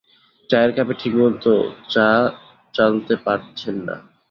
চায়ের কাপে ঠিকমতো চা চালতে পারছেন না।